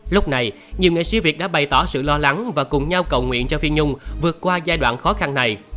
lúc này nhiều nghệ sĩ việt đã bày tỏ sự lo lắng và cùng nhau cầu nguyện cho phiên nhung vượt qua giai đoạn khó khăn này